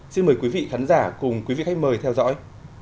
xin mời quý vị khán giả cùng quý vị khách mời theo dõi